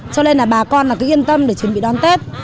cho nên bà con cứ yên tâm để chuẩn bị đón tết